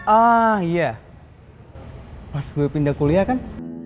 ah iya pas gue pindah kuliah kan